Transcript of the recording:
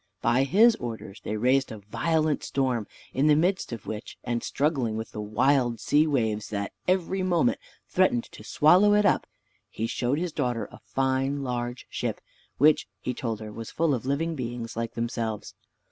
By his orders they raised a violent storm, in the midst of which, and struggling with the wild sea waves that every moment threatened to swallow it up, he showed his daughter a fine large ship, which he told her was full of living beings like themselves.